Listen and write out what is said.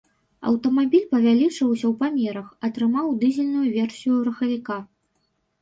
Аўтамабіль павялічыўся ў памерах, атрымаў дызельную версію рухавіка.